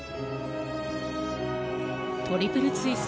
トリプルツイスト。